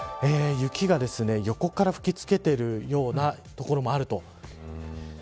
雪が横から吹き付けているような所もあると。